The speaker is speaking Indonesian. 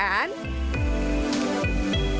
dengan di sini